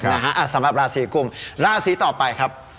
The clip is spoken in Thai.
นะฮะสำหรับราศีกุมราศีต่อไปครับ